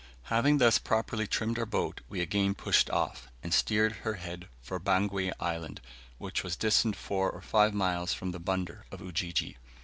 Having thus properly trimmed our boat we again pushed off, and steered her head for Bangwe Island, which was distant four or five miles from the Bunder of Ujiji.